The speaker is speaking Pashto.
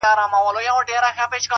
د چا د زړه د چا د سترگو له دېواله وځم”